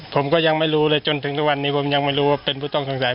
ผมก็ยังไม่รู้เลยจนถึงทุกวันนี้ผมยังไม่รู้ว่าเป็นผู้ต้องสงสัย